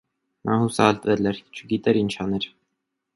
Նա հուսահատվել էր, չգիտեր ինչ աներ: